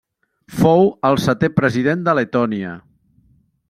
Fou el setè President de Letònia.